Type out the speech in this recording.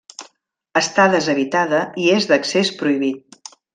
Està deshabitada i és d'accés prohibit.